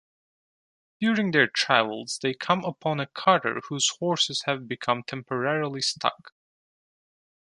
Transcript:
During their travels, they come upon a carter whose horses have become temporarily stuck.